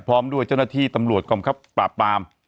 พร้อมด้วยเจ้าหน้าที่ตำรวจกองคับปราบปาม